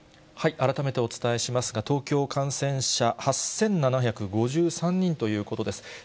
改めてお伝えしますが、東京、感染者、８７５３人ということです。